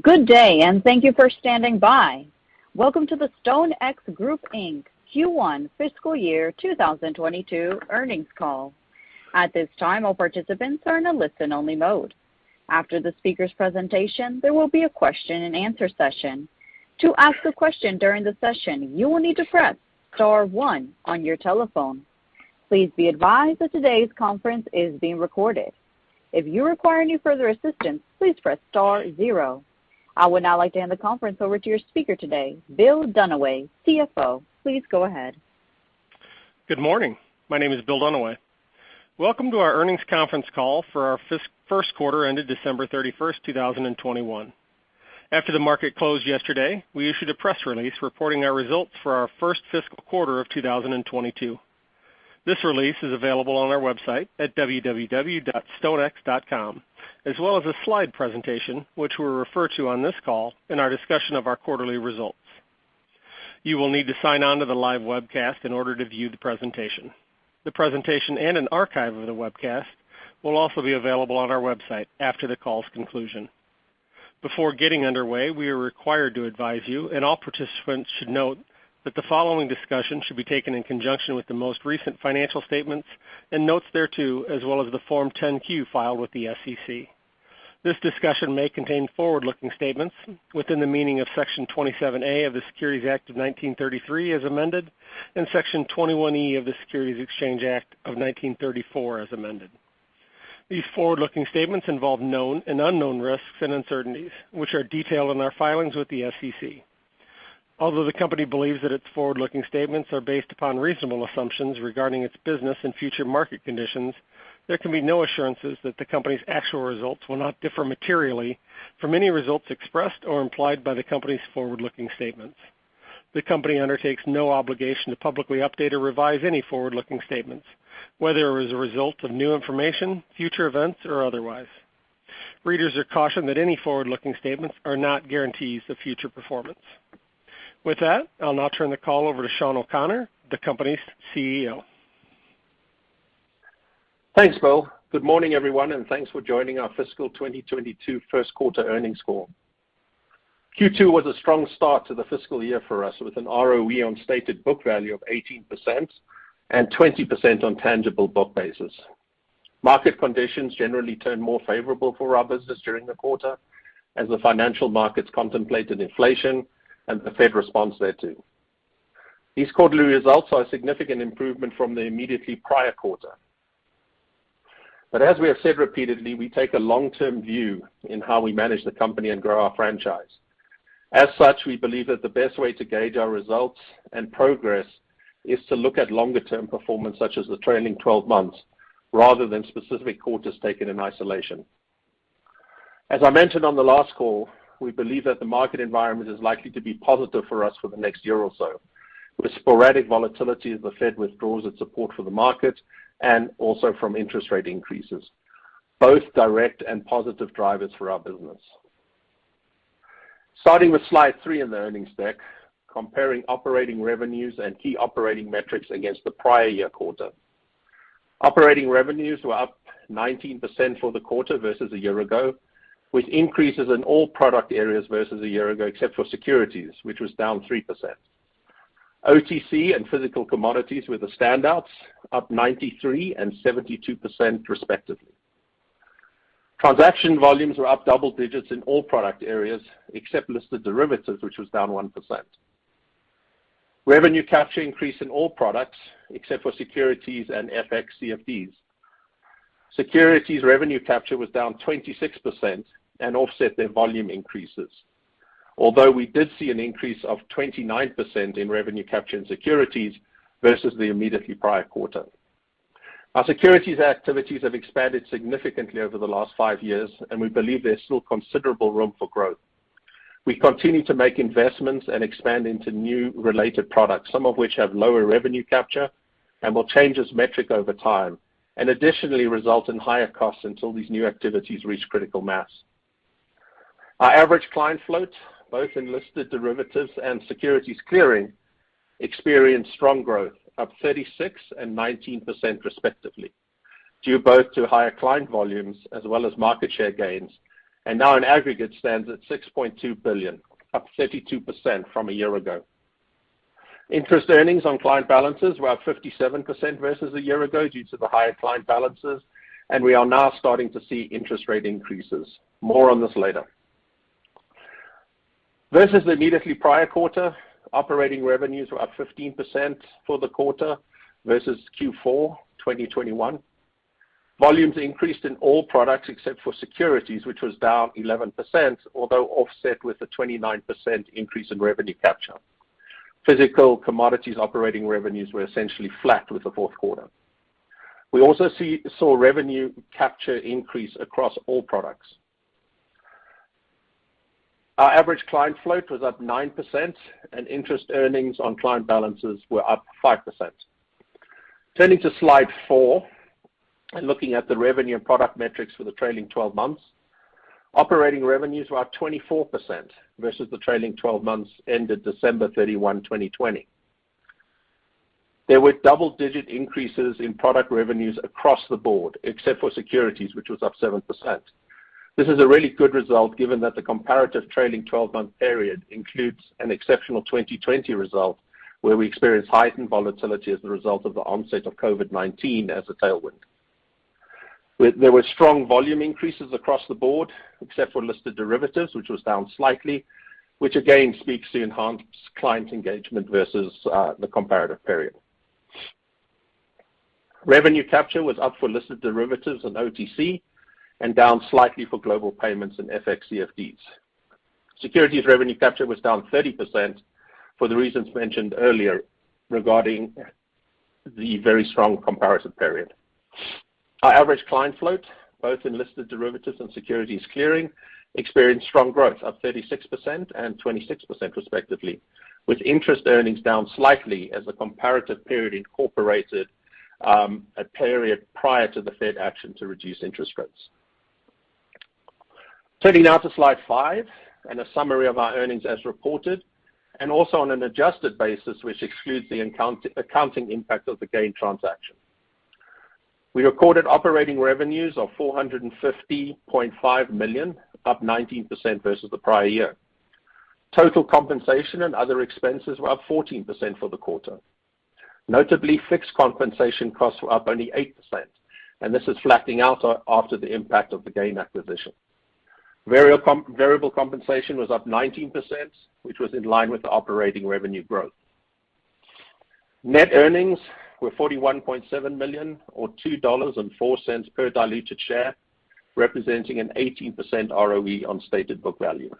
Good day, and thank you for standing by. Welcome to the StoneX Group Inc. Q1 Fiscal Year 2022 Earnings Call. At this time, all participants are in a listen-only mode. After the speaker's presentation, there will be a question-and-answer session. To ask a question during the session, you will need to press star one on your telephone. Please be advised that today's conference is being recorded. If you require any further assistance, please press star zero. I would now like to hand the conference over to your speaker today, Bill Dunaway, CFO. Please go ahead. Good morning. My name is Bill Dunaway. Welcome to our earnings conference call for our first quarter ended December 31st, 2021. After the market closed yesterday, we issued a press release reporting our results for our first fiscal quarter of 2022. This release is available on our website at www.stonex.com, as well as a slide presentation, which we'll refer to on this call in our discussion of our quarterly results. You will need to sign on to the live webcast in order to view the presentation. The presentation and an archive of the webcast will also be available on our website after the call's conclusion. Before getting underway, we are required to advise you, and all participants should note that the following discussion should be taken in conjunction with the most recent financial statements and notes thereto, as well as the Form 10-Q filed with the SEC. This discussion may contain forward-looking statements within the meaning of Section 27A of the Securities Act of 1933 as amended, and Section 21E of the Securities Exchange Act of 1934 as amended. These forward-looking statements involve known and unknown risks and uncertainties, which are detailed in our filings with the SEC. Although the company believes that its forward-looking statements are based upon reasonable assumptions regarding its business and future market conditions, there can be no assurances that the company's actual results will not differ materially from any results expressed or implied by the company's forward-looking statements. The company undertakes no obligation to publicly update or revise any forward-looking statements, whether as a result of new information, future events, or otherwise. Readers are cautioned that any forward-looking statements are not guarantees of future performance. With that, I'll now turn the call over to Sean O'Connor, the company's CEO. Thanks, Bill. Good morning, everyone, and thanks for joining our fiscal 2022 first quarter earnings call. Q1 was a strong start to the fiscal year for us, with an ROE on stated book value of 18% and 20% on tangible book basis. Market conditions generally turned more favorable for our business during the quarter as the financial markets contemplated inflation and the Fed response thereto. These quarterly results are a significant improvement from the immediately prior quarter. As we have said repeatedly, we take a long-term view in how we manage the company and grow our franchise. As such, we believe that the best way to gauge our results and progress is to look at longer-term performance, such as the trailing 12 months, rather than specific quarters taken in isolation. As I mentioned on the last call, we believe that the market environment is likely to be positive for us for the next year or so, with sporadic volatility as the Fed withdraws its support for the market and also from interest rate increases, both direct and positive drivers for our business. Starting with slide three in the earnings deck, comparing operating revenues and key operating metrics against the prior year quarter, operating revenues were up 19% for the quarter versus a year ago, with increases in all product areas versus a year ago, except for Securities, which was down 3%. OTC and physical commodities were the standouts, up 93% and 72% respectively. Transaction volumes were up double-digits in all product areas, except Listed Derivatives, which was down 1%. Revenue capture increased in all products, except for Securities and FX/CFDs. Securities revenue capture was down 26% and offset their volume increases. Although we did see an increase of 29% in revenue capture in Securities versus the immediately prior quarter. Our Securities activities have expanded significantly over the last five years, and we believe there's still considerable room for growth. We continue to make investments and expand into new related products, some of which have lower revenue capture and will change this metric over time, and additionally result in higher costs until these new activities reach critical mass. Our average client float, both in Listed Derivatives and Securities clearing, experienced strong growth, up 36% and 19% respectively, due both to higher client volumes as well as market share gains, and now in aggregate stands at $6.2 billion, up 32% from a year ago. Interest earnings on Client Balances were up 57% versus a year ago due to the higher Client Balances, and we are now starting to see interest rate increases. More on this later. Versus the immediately prior quarter, operating revenues were up 15% for the quarter versus Q4 2021. Volumes increased in all products except for Securities, which was down 11%, although offset with a 29% increase in revenue capture. Physical commodities operating revenues were essentially flat with the fourth quarter. We also saw revenue capture increase across all products. Our average client float was up 9%, and interest earnings on Client Balances were up 5%. Turning to slide four and looking at the revenue and product metrics for the trailing twelve months, operating revenues were up 24% versus the trailing twelve months ended December 31, 2020. There were double-digit increases in product revenues across the board, except for Securities, which was up 7%. This is a really good result given that the comparative trailing twelve-month period includes an exceptional 2020 result, where we experienced heightened volatility as a result of the onset of COVID-19 as a tailwind. There were strong volume increases across the board, except for Listed Derivatives, which was down slightly, which again speaks to enhanced client engagement versus the comparative period. Revenue capture was up for Listed Derivatives and OTC, and down slightly for Global Payments and FX CFDs. Securities revenue capture was down 30% for the reasons mentioned earlier regarding the very strong comparison period. Our average client float, both in Listed Derivatives and Securities clearing, experienced strong growth, up 36% and 26% respectively, with interest earnings down slightly as the comparative period incorporated a period prior to the Fed action to reduce interest rates. Turning now to slide five, and a summary of our earnings as reported, and also on an adjusted basis, which excludes the accounting impact of the GAIN transaction. We recorded operating revenues of $450.5 million, up 19% versus the prior year. Total compensation and other expenses were up 14% for the quarter. Notably, fixed compensation costs were up only 8%, and this is flattening out after the impact of the GAIN acquisition. Variable compensation was up 19%, which was in line with the operating revenue growth. Net earnings were $41.7 million, or $2.04 per diluted share, representing an 18% ROE on stated book value.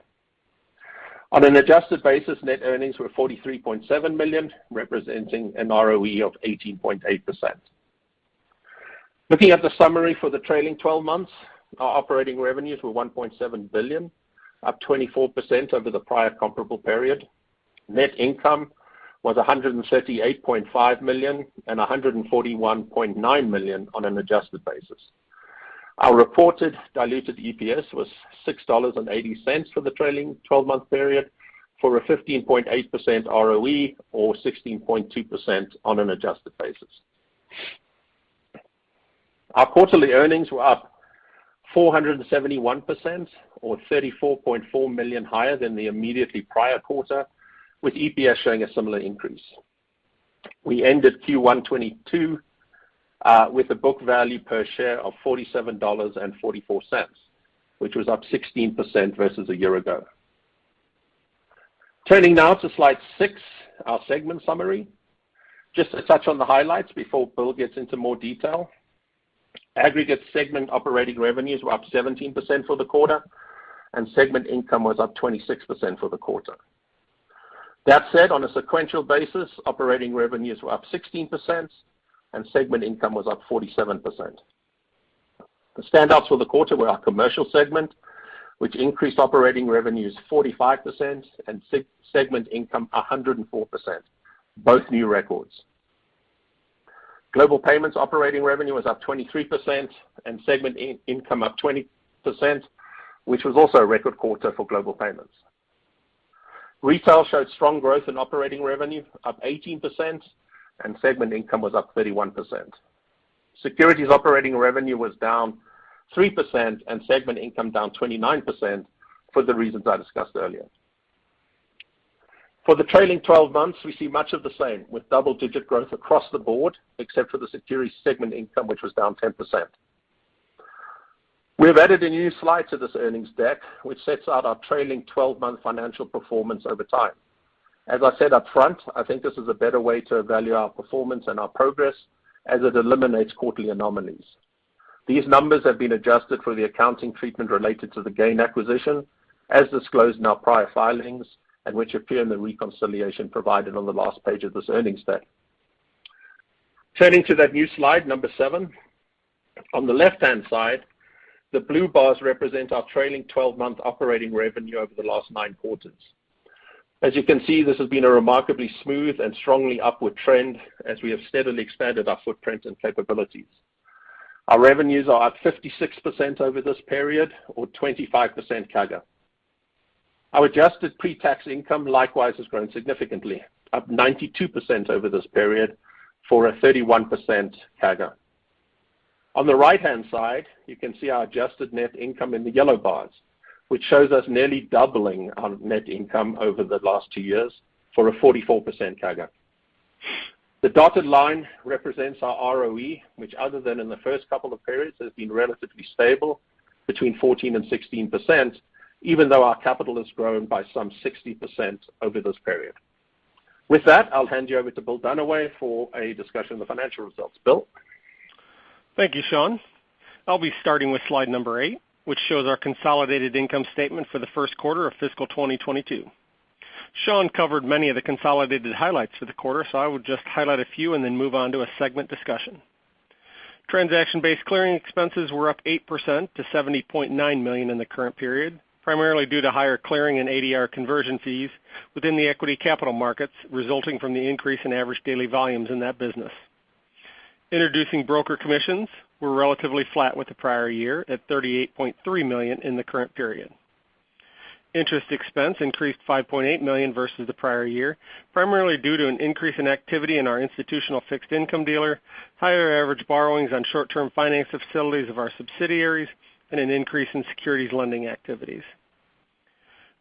On an adjusted basis, net earnings were $43.7 million, representing an ROE of 18.8%. Looking at the summary for the trailing twelve months, our operating revenues were $1.7 billion, up 24% over the prior comparable period. Net income was $138.5 million and $141.9 million on an adjusted basis. Our reported diluted EPS was $6.80 for the trailing twelve-month period, for a 15.8% ROE, or 16.2% on an adjusted basis. Our quarterly earnings were up 471%, or $34.4 million higher than the immediately prior quarter, with EPS showing a similar increase. We ended Q1 2022 with a book value per share of $47.44, which was up 16% versus a year ago. Turning now to slide six, our segment summary. Just to touch on the highlights before Bill gets into more detail. Aggregate segment operating revenues were up 17% for the quarter, and segment income was up 26% for the quarter. That said, on a sequential basis, operating revenues were up 16% and segment income was up 47%. The standouts for the quarter were our commercial segment, which increased operating revenues 45% and segment income 104%, both new records. Global Payments operating revenue was up 23% and segment income up 20%, which was also a record quarter for Global Payments. Retail showed strong growth in operating revenue, up 18%, and segment income was up 31%. Securities operating revenue was down 3% and segment income down 29% for the reasons I discussed earlier. For the trailing twelve months, we see much of the same, with double-digit growth across the board, except for the Securities segment income, which was down 10%. We have added a new slide to this earnings deck, which sets out our trailing twelve-month financial performance over time. As I said up front, I think this is a better way to evaluate our performance and our progress as it eliminates quarterly anomalies. These numbers have been adjusted for the accounting treatment related to the GAIN acquisition, as disclosed in our prior filings, and which appear in the reconciliation provided on the last page of this earnings deck. Turning to that new slide, number seven. On the left-hand side, the blue bars represent our trailing twelve-month operating revenue over the last nine quarters. As you can see, this has been a remarkably smooth and strongly upward trend as we have steadily expanded our footprint and capabilities. Our revenues are up 56% over this period or 25% CAGR. Our adjusted pre-tax income likewise has grown significantly, up 92% over this period for a 31% CAGR. On the right-hand side, you can see our adjusted net income in the yellow bars, which shows us nearly doubling our net income over the last two years for a 44% CAGR. The dotted line represents our ROE, which other than in the first couple of periods, has been relatively stable between 14% and 16%, even though our capital has grown by some 60% over this period. With that, I'll hand you over to Bill Dunaway for a discussion of the financial results. Bill? Thank you, Sean. I'll be starting with slide number eight, which shows our consolidated income statement for the first quarter of fiscal 2022. Sean covered many of the consolidated highlights for the quarter, so I will just highlight a few and then move on to a segment discussion. Transaction-based clearing expenses were up 8% to $70.9 million in the current period, primarily due to higher clearing and ADR conversion fees within the equity capital markets, resulting from the increase in average daily volumes in that business. Introducing broker commissions were relatively flat with the prior year at $38.3 million in the current period. Interest expense increased $5.8 million versus the prior year, primarily due to an increase in activity in our institutional fixed income dealer, higher average borrowings on short-term finance facilities of our subsidiaries, and an increase in Securities lending activities.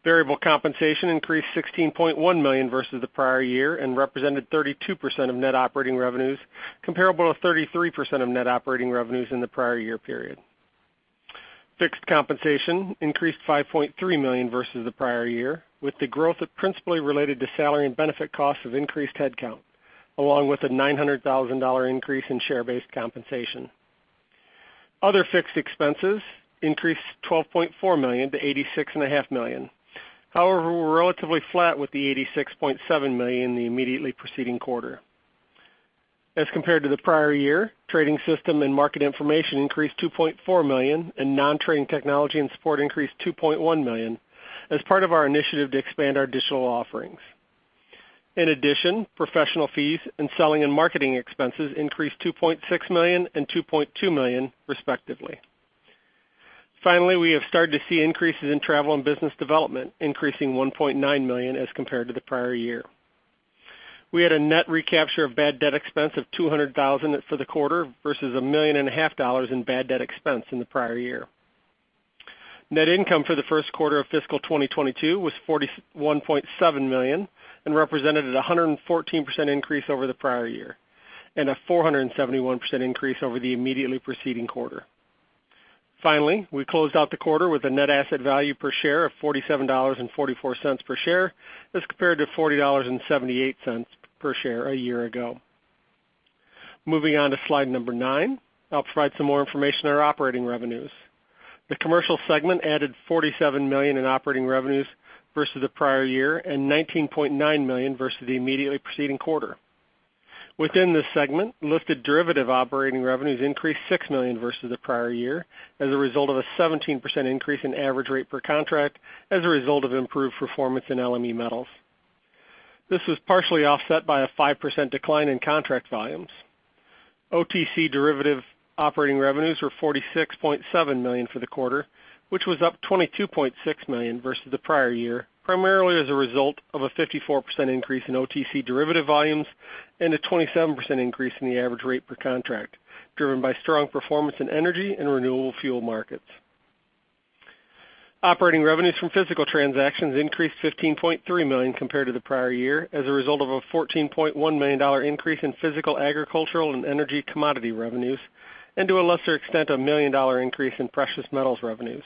Variable compensation increased $16.1 million versus the prior year and represented 32% of net operating revenues, comparable to 33% of net operating revenues in the prior year period. Fixed compensation increased $5.3 million versus the prior year, with the growth principally related to salary and benefit costs of increased headcount, along with a $900,000 increase in share-based compensation. Other fixed expenses increased $12.4 million-$86.5 million. However, we're relatively flat with the $86.7 million in the immediately preceding quarter. As compared to the prior year, trading system and market information increased $2.4 million, and non-trading technology and support increased $2.1 million as part of our initiative to expand our digital offerings. In addition, professional fees and selling and marketing expenses increased $2.6 million and $2.2 million, respectively. Finally, we have started to see increases in travel and business development, increasing $1.9 million as compared to the prior year. We had a net recapture of bad debt expense of $200,000 for the quarter versus $1.5 million in bad debt expense in the prior year. Net income for the first quarter of fiscal 2022 was $41.7 million and represented a 114% increase over the prior year, and a 471% increase over the immediately preceding quarter. Finally, we closed out the quarter with a net asset value per share of $47.44 per share as compared to $40.78 per share a year ago. Moving on to slide number nine, I'll provide some more information on our operating revenues. The commercial segment added $47 million in operating revenues versus the prior year and $19.9 million versus the immediately preceding quarter. Within this segment, Listed Derivative operating revenues increased $6 million versus the prior year as a result of a 17% increase in average rate per contract as a result of improved performance in LME metals. This was partially offset by a 5% decline in contract volumes. OTC Derivative operating revenues were $46.7 million for the quarter, which was up $22.6 million versus the prior year, primarily as a result of a 54% increase in OTC Derivative volumes and a 27% increase in the average rate per contract, driven by strong performance in energy and renewable fuel markets. Operating revenues from physical transactions increased $15.3 million compared to the prior year as a result of a $14.1 million increase in physical, agricultural, and energy commodity revenues, and to a lesser extent, a $1 million increase in precious metals revenues.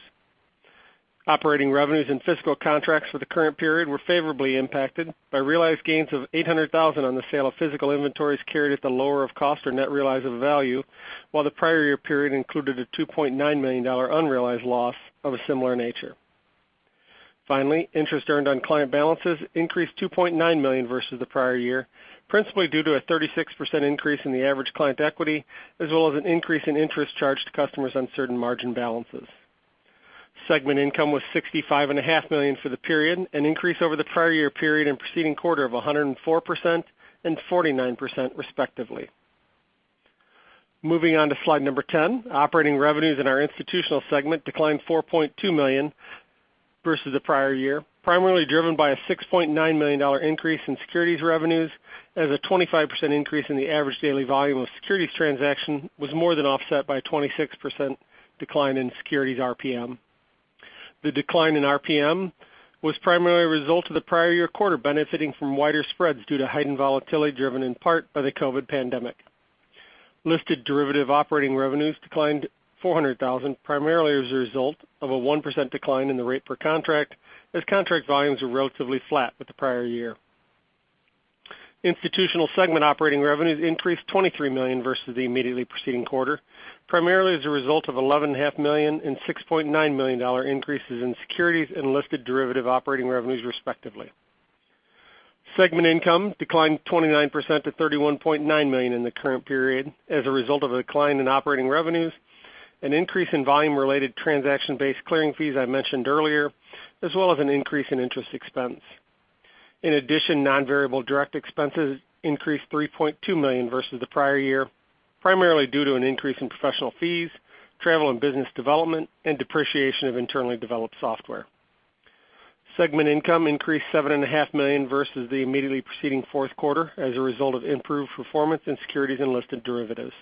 Operating revenues and Physical Contracts for the current period were favorably impacted by realized gains of $800,000 on the sale of physical inventories carried at the lower of cost or net realizable value, while the prior year period included a $2.9 million unrealized loss of a similar nature. Interest earned on Client Balances increased $2.9 million versus the prior year, principally due to a 36% increase in the average Client Equity, as well as an increase in interest charged to customers on certain margin balances. Segment income was $65.5 million for the period, an increase over the prior year period and preceding quarter of 104% and 49%, respectively. Moving on to slide 10. Operating revenues in our institutional segment declined $4.2 million versus the prior year, primarily driven by a $6.9 million increase in Securities revenues as a 25% increase in the average daily volume of Securities transaction was more than offset by a 26% decline in Securities RPM. The decline in RPM was primarily a result of the prior year quarter benefiting from wider spreads due to heightened volatility driven in part by the COVID pandemic. Listed Derivative operating revenues declined $400,000, primarily as a result of a 1% decline in the rate per contract, as contract volumes were relatively flat with the prior year. Institutional segment operating revenues increased $23 million versus the immediately preceding quarter, primarily as a result of $11.5 million and $6.9 million increases in Securities and Listed Derivative operating revenues, respectively. Segment income declined 29% to $31.9 million in the current period as a result of a decline in operating revenues, an increase in volume-related transaction-based clearing fees I mentioned earlier, as well as an increase in interest expense. In addition, non-variable direct expenses increased $3.2 million versus the prior year, primarily due to an increase in professional fees, travel and business development, and depreciation of internally developed software. Segment income increased $7.5 million versus the immediately preceding fourth quarter as a result of improved performance in Securities and Listed Derivatives.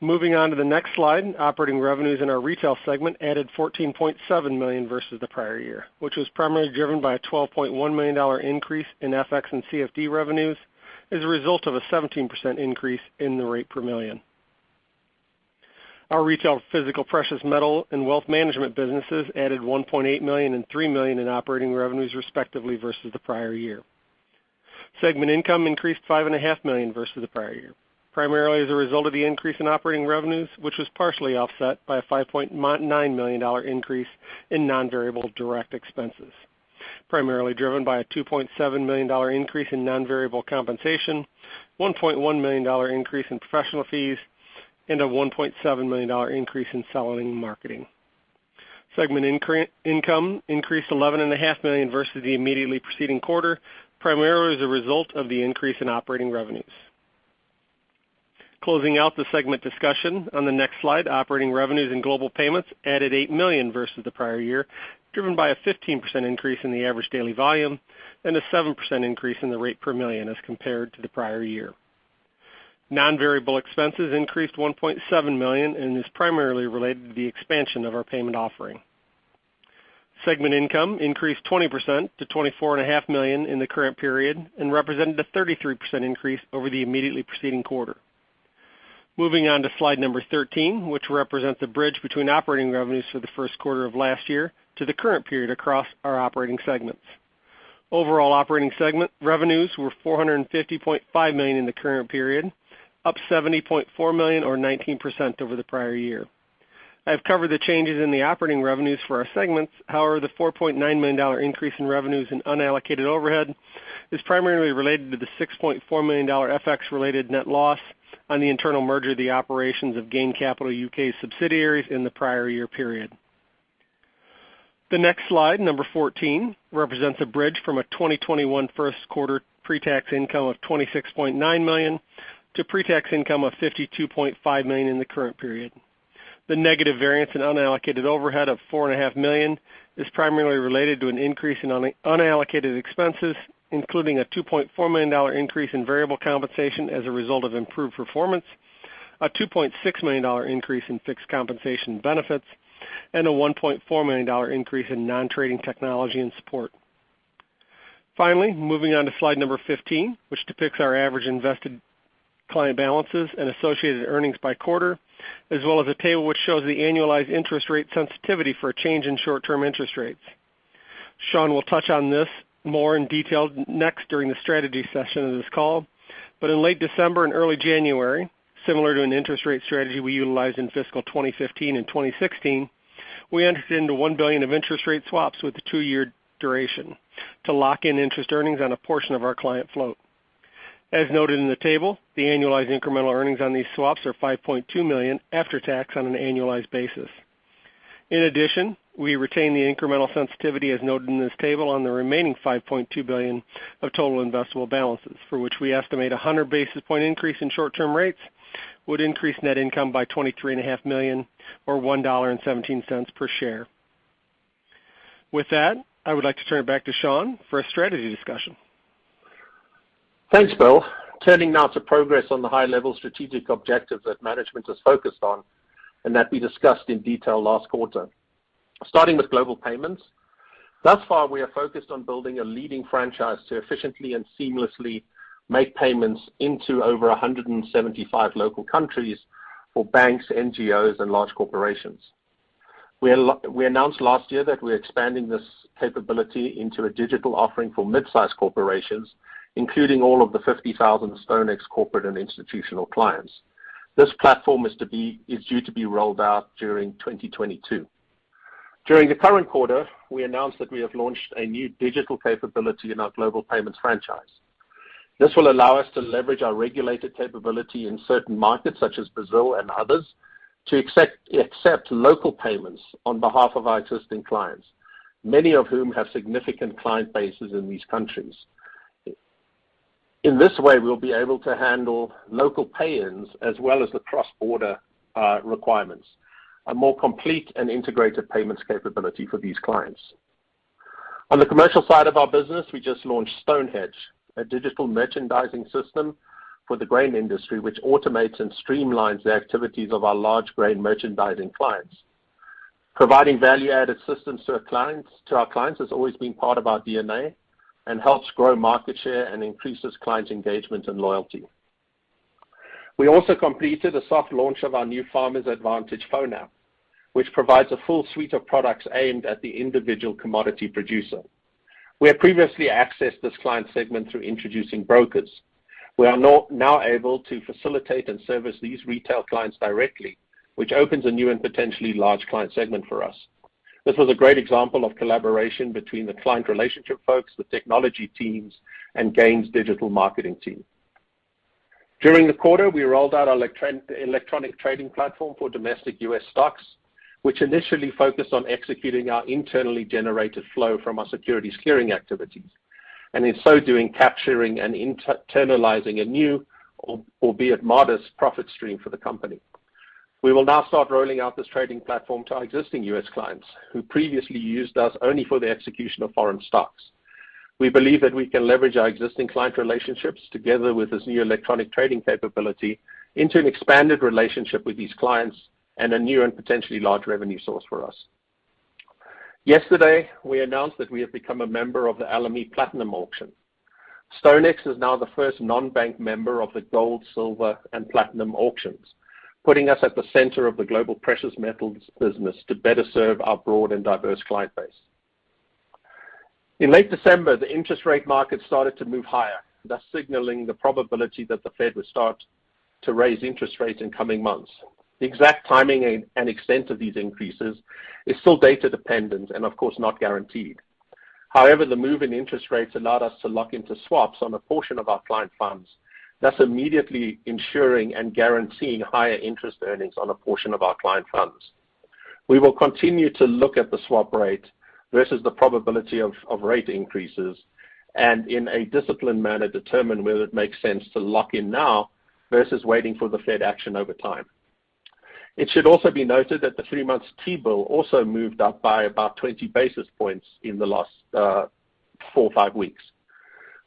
Moving on to the next slide. Operating revenues in our retail segment added $14.7 million versus the prior year, which was primarily driven by a $12.1 million increase in FX and CFD revenues as a result of a 17% increase in the rate per million. Our retail physical precious metal and wealth management businesses added $1.8 million and $3 million in operating revenues, respectively, versus the prior year. Segment income increased $5.5 million versus the prior year, primarily as a result of the increase in operating revenues, which was partially offset by a $5.9 million increase in non-variable direct expenses, primarily driven by a $2.7 million increase in non-variable compensation, $1.1 million increase in professional fees, and a $1.7 million increase in selling and marketing. Segment income increased $11.5 million versus the immediately preceding quarter, primarily as a result of the increase in operating revenues. Closing out the segment discussion on the next slide, operating revenues in Global Payments added $8 million versus the prior year, driven by a 15% increase in the average daily volume and a 7% increase in the rate per million as compared to the prior year. Non-variable expenses increased $1.7 million and is primarily related to the expansion of our payment offering. Segment income increased 20% to $24.5 million in the current period and represented a 33% increase over the immediately preceding quarter. Moving on to slide 13, which represents the bridge between operating revenues for the first quarter of last year to the current period across our operating segments. Overall operating segment revenues were $450.5 million in the current period, up $70.4 million or 19% over the prior year. I've covered the changes in the operating revenues for our segments. However, the $4.9 million increase in revenues in unallocated overhead is primarily related to the $6.4 million FX-related net loss on the internal merger of the operations of GAIN Capital U.K. subsidiaries in the prior year period. The next slide, number 14, represents a bridge from a 2021 first quarter pre-tax income of $26.9 million to pre-tax income of $52.5 million in the current period. The negative variance in unallocated overhead of $4.5 million is primarily related to an increase in unallocated expenses, including a $2.4 million increase in variable compensation as a result of improved performance, a $2.6 million increase in fixed compensation benefits, and a $1.4 million increase in non-trading technology and support. Finally, moving on to slide 15, which depicts our average invested Client Balances and associated earnings by quarter, as well as a table which shows the annualized interest rate sensitivity for a change in short-term interest rates. Sean will touch on this more in detail next during the strategy session of this call. In late December and early January, similar to an interest rate strategy we utilized in fiscal 2015 and 2016, we entered into $1 billion of interest rate swaps with a two-year duration to lock in interest earnings on a portion of our client float. As noted in the table, the annualized incremental earnings on these swaps are $5.2 million after tax on an annualized basis. In addition, we retain the incremental sensitivity as noted in this table on the remaining $5.2 billion of total investable balances, for which we estimate a 100 basis point increase in short-term rates would increase net income by $23.5 million or $1.17 per share. With that, I would like to turn it back to Sean for a strategy discussion. Thanks, Bill. Turning now to progress on the high-level strategic objectives that management is focused on and that we discussed in detail last quarter. Starting with Global Payments, thus far, we are focused on building a leading franchise to efficiently and seamlessly make payments into over 175 local countries for banks, NGOs, and large corporations. We announced last year that we're expanding this capability into a digital offering for mid-size corporations, including all of the 50,000 StoneX corporate and institutional clients. This platform is due to be rolled out during 2022. During the current quarter, we announced that we have launched a new digital capability in our Global Payments franchise. This will allow us to leverage our regulated capability in certain markets, such as Brazil and others, to accept local payments on behalf of our existing clients, many of whom have significant client bases in these countries. In this way, we'll be able to handle local pay-ins as well as the cross-border requirements, a more complete and integrated payments capability for these clients. On the commercial side of our business, we just launched StoneHedge, a digital merchandising system for the grain industry, which automates and streamlines the activities of our large grain merchandising clients. Providing value-added systems to our clients has always been part of our DNA and helps grow market share and increases clients' engagement and loyalty. We also completed a soft launch of our new Farm Advantage phone app, which provides a full suite of products aimed at the individual commodity producer. We have previously accessed this client segment through introducing brokers. We are now able to facilitate and service these retail clients directly, which opens a new and potentially large client segment for us. This was a great example of collaboration between the client relationship folks, the technology teams, and GAIN's digital marketing team. During the quarter, we rolled out our electronic trading platform for domestic U.S. stocks, which initially focused on executing our internally generated flow from our Securities clearing activities, and in so doing, capturing and internalizing a new, albeit modest, profit stream for the company. We will now start rolling out this trading platform to our existing U.S. clients who previously used us only for the execution of foreign stocks. We believe that we can leverage our existing client relationships together with this new electronic trading capability into an expanded relationship with these clients and a new and potentially large revenue source for us. Yesterday, we announced that we have become a member of the LME Platinum Auction. StoneX is now the first non-bank member of the gold, silver, and platinum auctions, putting us at the center of the global precious metals business to better serve our broad and diverse client base. In late December, the interest rate market started to move higher, thus signaling the probability that the Fed would start to raise interest rates in coming months. The exact timing and extent of these increases is still data-dependent and, of course, not guaranteed. However, the move in interest rates allowed us to lock into swaps on a portion of our client funds, thus immediately ensuring and guaranteeing higher interest earnings on a portion of our client funds. We will continue to look at the swap rate versus the probability of rate increases, and in a disciplined manner, determine whether it makes sense to lock in now versus waiting for the Fed action over time. It should also be noted that the three-month T-bill also moved up by about 20 basis points in the last four or five weeks.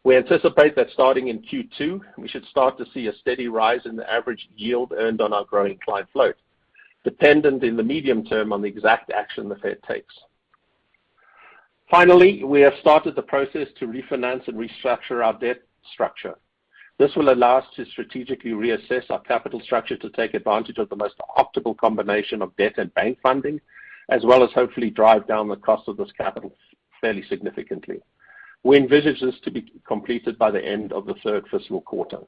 We anticipate that starting in Q2, we should start to see a steady rise in the average yield earned on our growing client float, dependent in the medium term on the exact action the Fed takes. Finally, we have started the process to refinance and restructure our debt structure. This will allow us to strategically reassess our capital structure to take advantage of the most optimal combination of debt and bank funding, as well as hopefully drive down the cost of this capital fairly significantly. We envisage this to be completed by the end of the third fiscal quarter.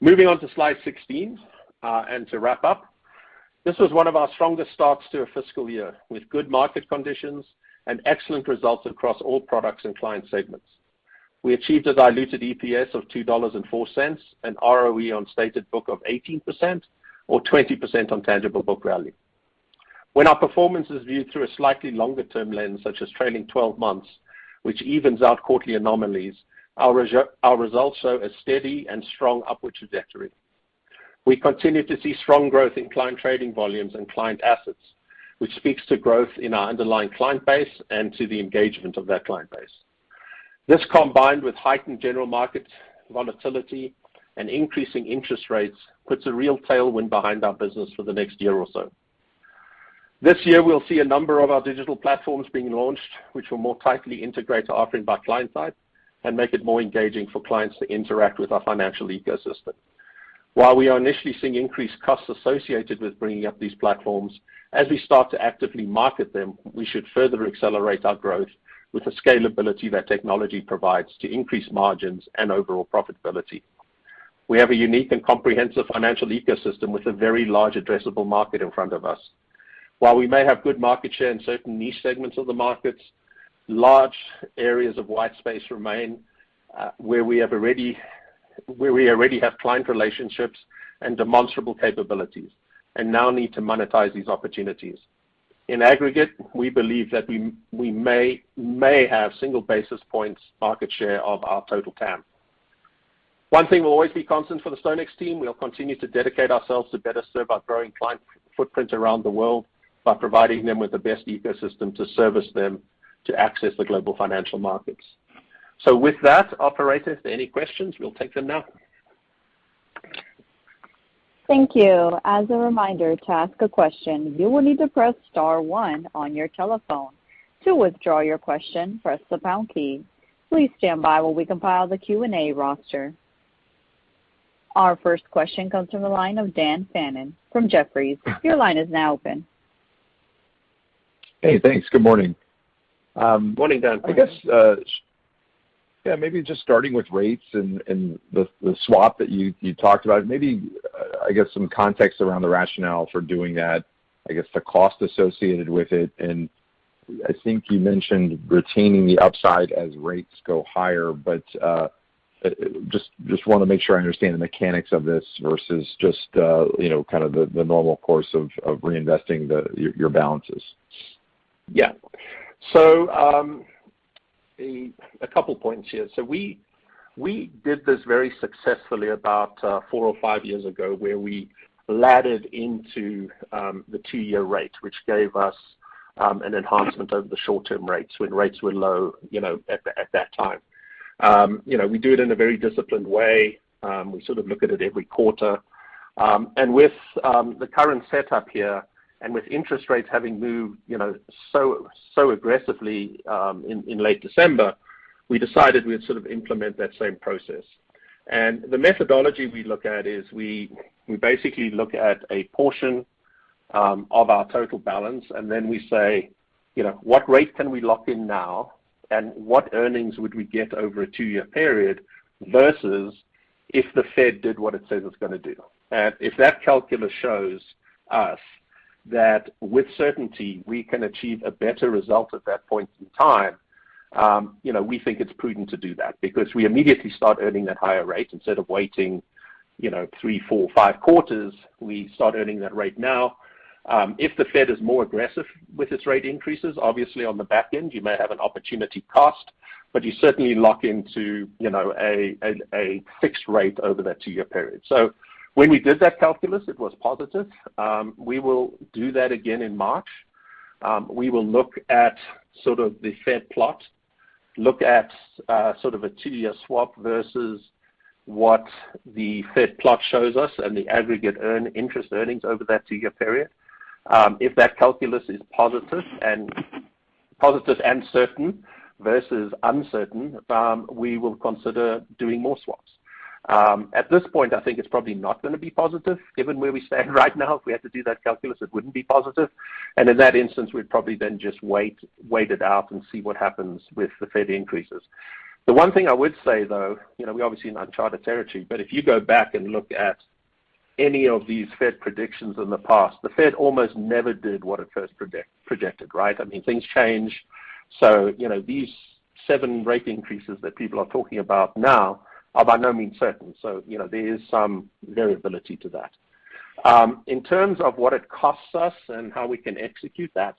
Moving on to slide 16 and to wrap up. This was one of our strongest starts to a fiscal year, with good market conditions and excellent results across all products and client segments. We achieved a diluted EPS of $2.04, an ROE on stated book of 18% or 20% on tangible book value. When our performance is viewed through a slightly longer-term lens, such as trailing twelve months, which evens out quarterly anomalies, our results show a steady and strong upward trajectory. We continue to see strong growth in client trading volumes and client assets, which speaks to growth in our underlying client base and to the engagement of that client base. This combined with heightened general market volatility and increasing interest rates, puts a real tailwind behind our business for the next year or so. This year, we'll see a number of our digital platforms being launched, which will more tightly integrate our offering by client type and make it more engaging for clients to interact with our financial ecosystem. While we are initially seeing increased costs associated with bringing up these platforms, as we start to actively market them, we should further accelerate our growth with the scalability that technology provides to increase margins and overall profitability. We have a unique and comprehensive financial ecosystem with a very large addressable market in front of us. While we may have good market share in certain niche segments of the markets, large areas of white space remain where we already have client relationships and demonstrable capabilities and now need to monetize these opportunities. In aggregate, we believe that we may have single basis points market share of our total TAM. One thing will always be constant for the StoneX team, we'll continue to dedicate ourselves to better serve our growing client footprint around the world by providing them with the best ecosystem to service them to access the global financial markets. With that, operator, if there any questions, we'll take them now. Our first question comes from the line of Dan Fannon from Jefferies. Your line is now open. Hey, thanks. Good morning. Good morning, Dan. I guess, yeah, maybe just starting with rates and the swap that you talked about. Maybe, I guess some context around the rationale for doing that, I guess the cost associated with it. I think you mentioned retaining the upside as rates go higher. Just wanna make sure I understand the mechanics of this versus just, you know, kinda the normal course of reinvesting your balances. Yeah. A couple points here. We did this very successfully about four or five years ago, where we laddered into the two-year rate, which gave us an enhancement over the short-term rates when rates were low, you know, at that time. You know, we do it in a very disciplined way. We sort of look at it every quarter. With the current setup here and with interest rates having moved, you know, so aggressively in late December, we decided we'd sort of implement that same process. The methodology we look at is we basically look at a portion of our total balance, and then we say, you know, what rate can we lock in now? What earnings would we get over a two-year period versus if the Fed did what it says it's gonna do? If that calculus shows us that with certainty we can achieve a better result at that point in time, you know, we think it's prudent to do that. Because we immediately start earning that higher rate. Instead of waiting, you know, three, four, five quarters, we start earning that rate now. If the Fed is more aggressive with its rate increases, obviously on the back end you may have an opportunity cost, but you certainly lock into, you know, a fixed rate over that two-year period. When we did that calculus, it was positive. We will do that again in March. We will look at sort of the Fed plot versus what the Fed plot shows us and the aggregate interest earnings over that two-year period. If that calculus is positive and certain versus uncertain, we will consider doing more swaps. At this point, I think it's probably not gonna be positive given where we stand right now. If we had to do that calculus, it wouldn't be positive. In that instance, we'd probably then just wait it out and see what happens with the Fed increases. The one thing I would say, though, you know, we're obviously in uncharted territory, but if you go back and look at any of these Fed predictions in the past, the Fed almost never did what it first projected, right? I mean, things change. You know, these seven rate increases that people are talking about now are by no means certain. You know, there is some variability to that. In terms of what it costs us and how we can execute that,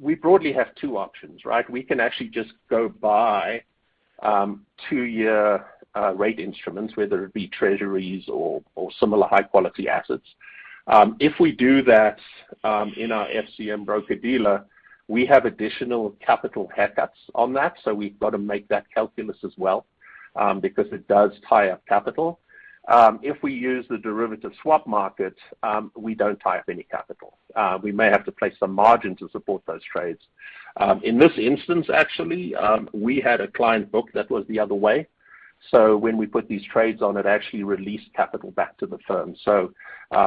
we broadly have two options, right? We can actually just go buy two-year rate instruments, whether it be Treasuries or similar high-quality assets. If we do that, in our FCM broker-dealer, we have additional capital haircuts on that, so we've got to make that calculus as well, because it does tie up capital. If we use the derivative swap market, we don't tie up any capital. We may have to place some margin to support those trades. In this instance, actually, we had a client book that was the other way. When we put these trades on, it actually released capital back to the firm.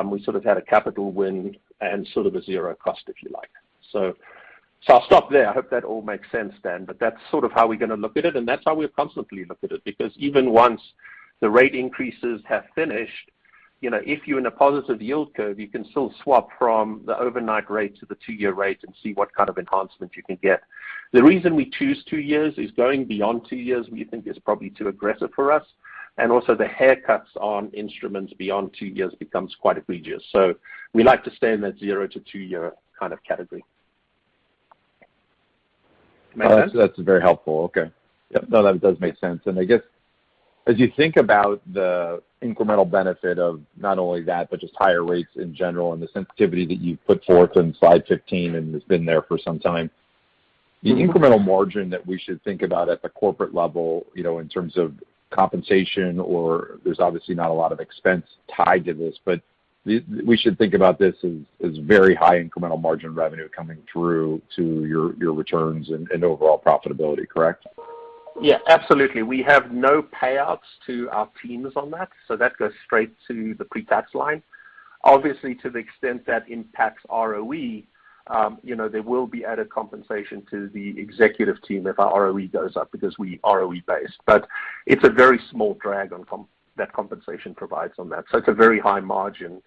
We sort of had a capital win and sort of a zero cost, if you like. I'll stop there. I hope that all makes sense, Dan, but that's sort of how we're gonna look at it, and that's how we constantly look at it. Because even once the rate increases have finished, you know, if you're in a positive yield curve, you can still swap from the overnight rate to the two-year rate and see what kind of enhancement you can get. The reason we choose two years is going beyond two years, we think is probably too aggressive for us. Also the haircuts on instruments beyond two years becomes quite egregious. We like to stay in that zero to two-year kind of category. Make sense? That's very helpful. Okay. Yep. No, that does make sense. I guess as you think about the incremental benefit of not only that, but just higher rates in general and the sensitivity that you've put forth in slide 15 and has been there for some time. Mm-hmm. The incremental margin that we should think about at the corporate level, you know, in terms of compensation or there's obviously not a lot of expense tied to this, we should think about this as very high incremental margin revenue coming through to your returns and overall profitability, correct? Yeah, absolutely. We have no payouts to our teams on that, so that goes straight to the pre-tax line. Obviously, to the extent that impacts ROE, there will be added compensation to the executive team if our ROE goes up because we ROE-based. It's a very small drag on that compensation provides on that. It's a very high margin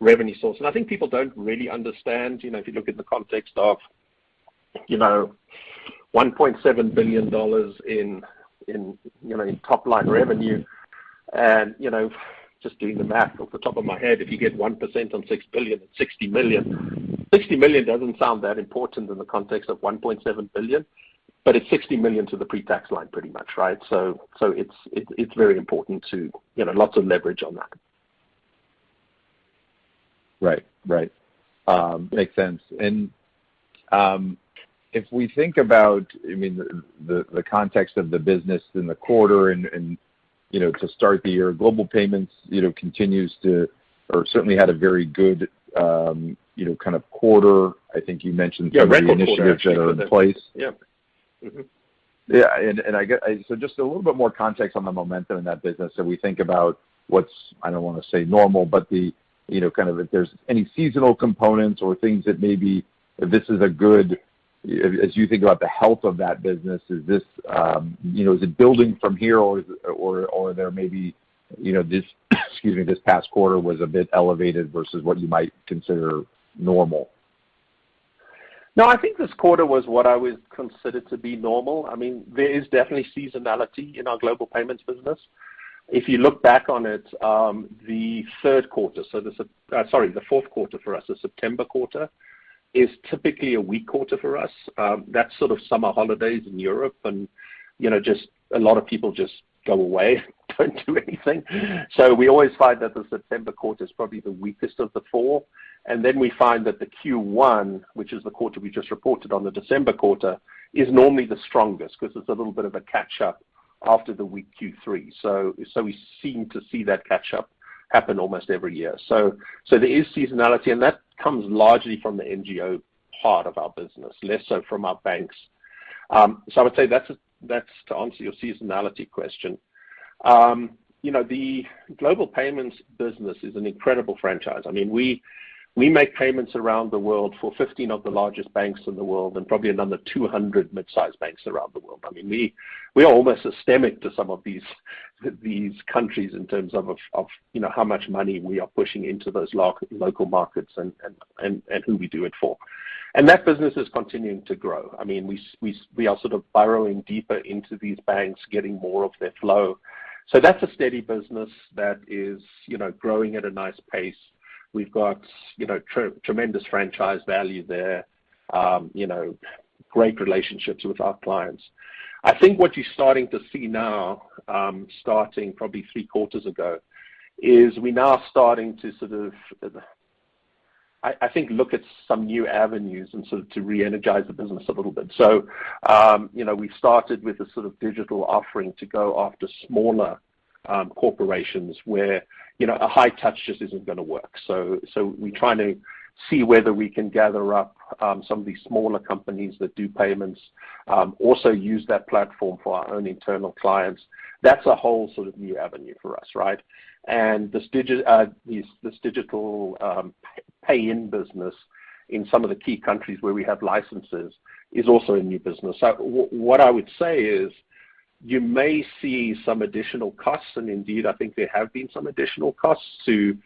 revenue source. I think people don't really understand, you know, if you look at the context of, you know, $1.7 billion in top line revenue, and, you know, just doing the math off the top of my head, if you get 1% on $6 billion, it's $60 million. $60 million doesn't sound that important in the context of $1.7 billion, but it's $60 million to the pre-tax line pretty much, right? It's very important to, you know, lots of leverage on that. Right. Makes sense. If we think about, I mean, the context of the business in the quarter and you know, to start the year, Global Payments you know, continues to or certainly had a very good, you know, kind of quarter. I think you mentioned some of the initiatives that are in place. Yeah. Mm-hmm. Just a little bit more context on the momentum in that business as we think about what's, I don't wanna say normal, but the, you know, kind of if there's any seasonal components or things that maybe as you think about the health of that business, is this, you know, is it building from here or there may be, you know, this excuse me, this past quarter was a bit elevated versus what you might consider normal? No, I think this quarter was what I would consider to be normal. I mean, there is definitely seasonality in our Global Payments business. If you look back on it, the fourth quarter for us, the September quarter, is typically a weak quarter for us. That's sort of summer holidays in Europe and, you know, just a lot of people just go away, don't do anything. We always find that the September quarter is probably the weakest of the four. Then we find that the Q1, which is the quarter we just reported on, the December quarter, is normally the strongest 'cause it's a little bit of a catch-up after the weak Q3. We seem to see that catch-up happen almost every year. There is seasonality, and that comes largely from the NGO part of our business, less so from our banks. I would say that's to answer your seasonality question. You know, the Global Payments business is an incredible franchise. I mean, we make payments around the world for 15 of the largest banks in the world and probably another 200 mid-sized banks around the world. I mean, we are almost systemic to some of these countries in terms of you know, how much money we are pushing into those local markets and who we do it for. That business is continuing to grow. I mean, we are sort of burrowing deeper into these banks, getting more of their flow. That's a steady business that is, you know, growing at a nice pace. We've got, you know, tremendous franchise value there, you know, great relationships with our clients. I think what you're starting to see now, starting probably three quarters ago, is we now are starting to sort of, I think, look at some new avenues and sort of to re-energize the business a little bit. You know, we started with a sort of digital offering to go after smaller corporations where, you know, a high touch just isn't gonna work. We're trying to see whether we can gather up some of these smaller companies that do payments, also use that platform for our own internal clients. That's a whole sort of new avenue for us, right? This digital pay-in business in some of the key countries where we have licenses is also a new business. What I would say is you may see some additional costs, and indeed, I think there have been some additional costs to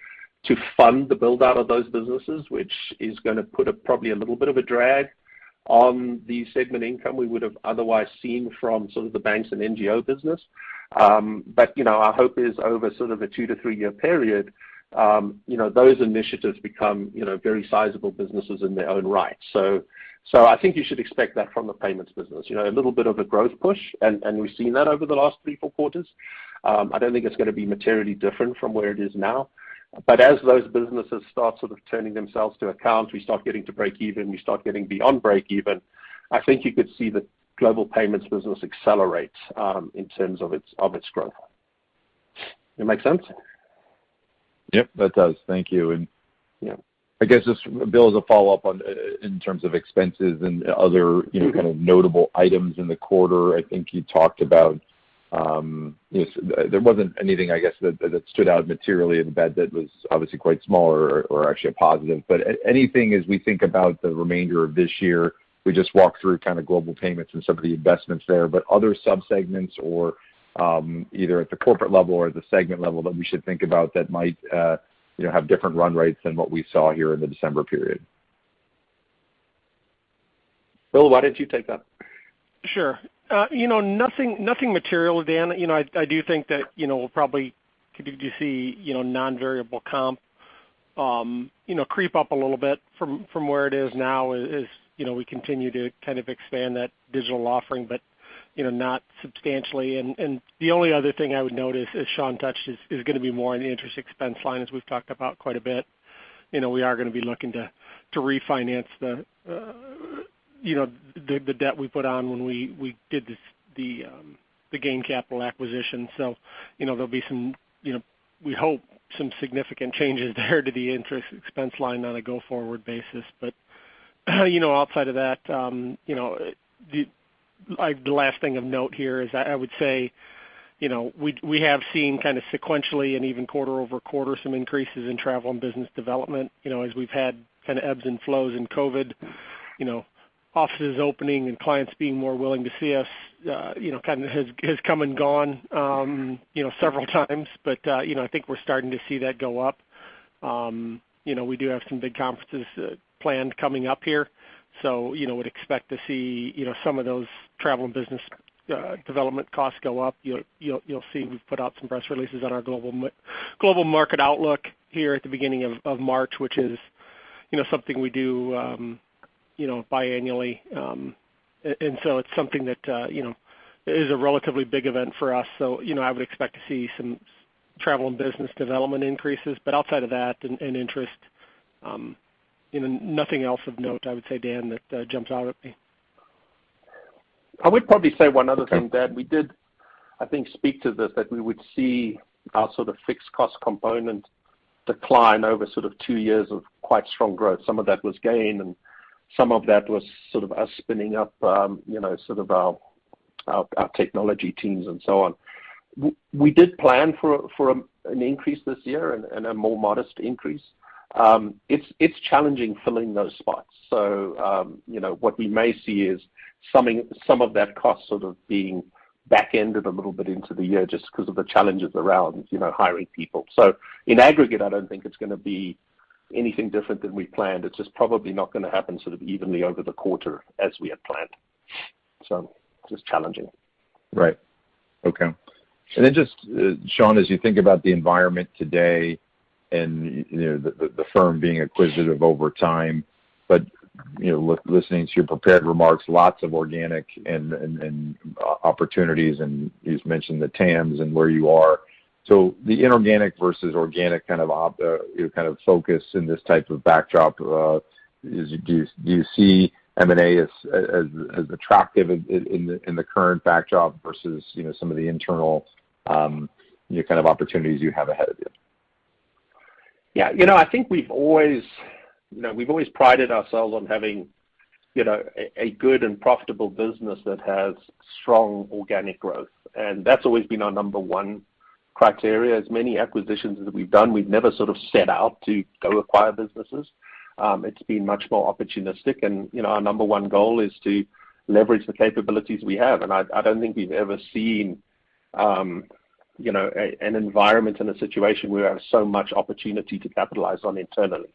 fund the build-out of those businesses, which is gonna put probably a little bit of a drag on the segment income we would've otherwise seen from some of the banks and NGO business. But, you know, our hope is over sort of a two to three-year period, you know, those initiatives become, you know, very sizable businesses in their own right. So I think you should expect that from the payments business. You know, a little bit of a growth push, and we've seen that over the last three, four quarters. I don't think it's gonna be materially different from where it is now. As those businesses start sort of turning themselves to account, we start getting to breakeven, we start getting beyond breakeven, I think you could see the Global Payments business accelerate, in terms of its growth. That make sense? Yep, that does. Thank you. Yeah. I guess just, Bill, as a follow-up on in terms of expenses and other, you know, kind of notable items in the quarter. I think you talked about, you know, there wasn't anything, I guess, that stood out materially in the bad debt was obviously quite small or actually a positive. Anything as we think about the remainder of this year, we just walked through kinda Global Payments and some of the investments there, but other sub-segments or either at the corporate level or the segment level that we should think about that might, you know, have different run rates than what we saw here in the December period. Bill, why don't you take that? Sure. You know, nothing material, Dan. You know, I do think that, you know, we'll probably continue to see, you know, non-variable comp, you know, creep up a little bit from where it is now as you know, we continue to kind of expand that digital offering but, you know, not substantially. The only other thing I would note as Sean touched is gonna be more on the interest expense line, as we've talked about quite a bit. You know, we are gonna be looking to refinance the debt we put on when we did the GAIN Capital acquisition. You know, there'll be some, you know, we hope, some significant changes there to the interest expense line on a go-forward basis. You know, outside of that, you know, the last thing of note here is I would say, you know, we have seen kinda sequentially and even quarter-over-quarter some increases in travel and business development. You know, as we've had kinda ebbs and flows in COVID, you know, offices opening and clients being more willing to see us, you know, kind of has come and gone, you know, several times. You know, I think we're starting to see that go up. You know, we do have some big conferences planned coming up here. You know, we would expect to see, you know, some of those travel and business development costs go up. You'll see we've put out some press releases on our global market outlook here at the beginning of March, which is, you know, something we do, you know, biannually. It's something that, you know, is a relatively big event for us. You know, I would expect to see some travel and business development increases. Outside of that and interest, you know, nothing else of note, I would say, Dan, that jumps out at me. I would probably say one other thing, Dan. We did, I think, speak to this, that we would see our sort of fixed cost component decline over sort of two years of quite strong growth. Some of that was GAIN, and some of that was sort of us spinning up, you know, sort of our technology teams and so on. We did plan for an increase this year and a more modest increase. It's challenging filling those spots. So, you know, what we may see is some of that cost sort of being back-ended a little bit into the year just 'cause of the challenges around, you know, hiring people. So in aggregate, I don't think it's gonna be anything different than we planned. It's just probably not gonna happen sort of evenly over the quarter as we had planned. Just challenging. Right. Okay. Just, Sean, as you think about the environment today and, you know, the firm being acquisitive over time, but, you know, listening to your prepared remarks, lots of organic and opportunities, and you've mentioned the TAMs and where you are. The inorganic versus organic kind of focus in this type of backdrop, do you see M&A as attractive in the current backdrop versus, you know, some of the internal, you know, kind of opportunities you have ahead of you? Yeah. You know, we've always prided ourselves on having, you know, a good and profitable business that has strong organic growth, and that's always been our number one criteria. As many acquisitions as we've done, we've never sort of set out to go acquire businesses. It's been much more opportunistic and, you know, our number one goal is to leverage the capabilities we have. I don't think we've ever seen, you know, an environment and a situation where we have so much opportunity to capitalize on internally.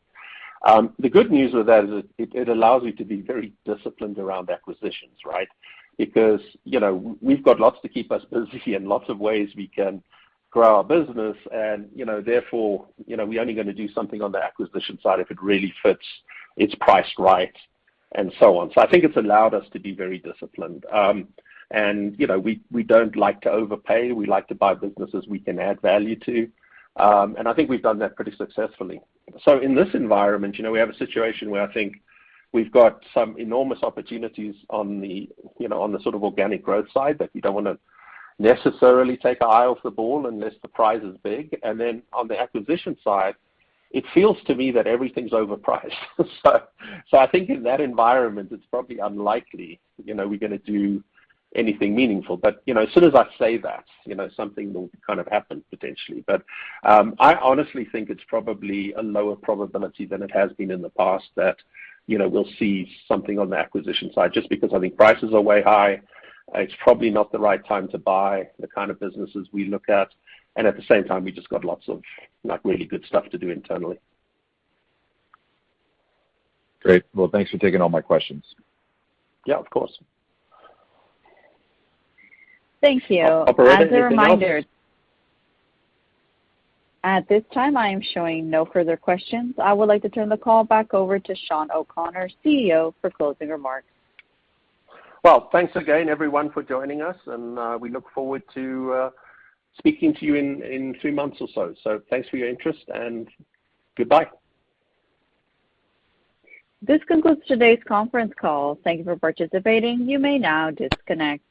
The good news with that is it allows you to be very disciplined around acquisitions, right? Because, you know, we've got lots to keep us busy and lots of ways we can grow our business and, you know, therefore, you know, we're only gonna do something on the acquisition side if it really fits, it's priced right, and so on. I think it's allowed us to be very disciplined. You know, we don't like to overpay. We like to buy businesses we can add value to. I think we've done that pretty successfully. In this environment, you know, we have a situation where I think we've got some enormous opportunities on the, you know, on the sort of organic growth side, that we don't wanna necessarily take our eye off the ball unless the price is big. Then on the acquisition side, it feels to me that everything's overpriced. I think in that environment, it's probably unlikely, you know, we're gonna do anything meaningful. You know, as soon as I say that, you know, something will kind of happen potentially. I honestly think it's probably a lower probability than it has been in the past that, you know, we'll see something on the acquisition side just because I think prices are way high. It's probably not the right time to buy the kind of businesses we look at, and at the same time, we've just got lots of, like, really good stuff to do internally. Great. Well, thanks for taking all my questions. Yeah, of course. Thank you. Operator, anything else? As a reminder. At this time, I am showing no further questions. I would like to turn the call back over to Sean O'Connor, CEO, for closing remarks. Well, thanks again, everyone, for joining us and we look forward to speaking to you in three months or so. Thanks for your interest and goodbye. This concludes today's conference call. Thank you for participating. You may now disconnect.